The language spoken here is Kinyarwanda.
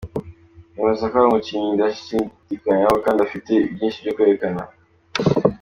Yemeza ko ari umukinnyi ndashidikanyaho kandi afite byinshi byo kwerekana.